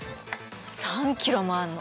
３キロもあんの。